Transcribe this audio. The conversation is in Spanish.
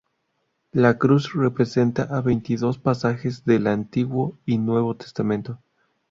La cruz representa a veintidós pasajes del Antiguo y Nuevo testamento.